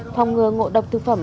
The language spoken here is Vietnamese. thòng ngừa ngộ độc thực phẩm